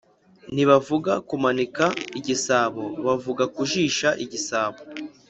Ntibavuga kumanika igisabo bavuga kujisha igisabo